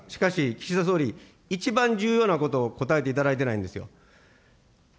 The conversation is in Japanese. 岸田総理、一番重要なことを答えていただいてないんですよ。